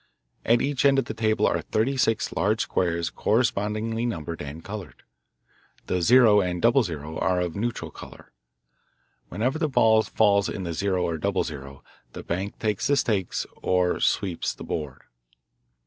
At each end of the table are thirty six large squares correspondingly numbered and coloured. The "0" and "00" are of a neutral colour. Whenever the ball falls in the "0" or "00" the bank takes the stakes, or sweeps the the board.